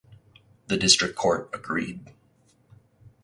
The district court agreed.